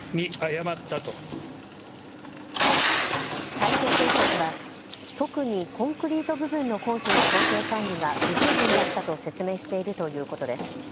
大成建設は特にコンクリート部分の工事の工程管理が不十分だったと説明しているということです。